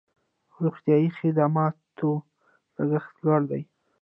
د روغتیايي خدماتو لګښت لوړ دی